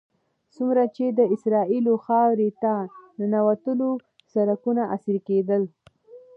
څومره چې د اسرائیلو خاورې ته ننوتلو سړکونه عصري کېدل.